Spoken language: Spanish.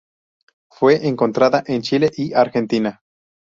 Fue encontrada en Chile y Argentina.